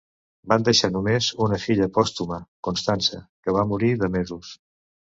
Van deixar només una filla pòstuma, Constança, que va morir de mesos.